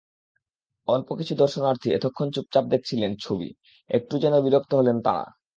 অল্পকিছু দর্শনার্থী এতক্ষণ চুপচাপ দেখছিলেন ছবি, একটু যেন বিরক্ত হলেন তাঁরা।